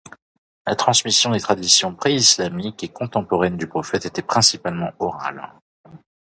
La transmission des traditions préislamiques et contemporaines du prophète était principalement orale.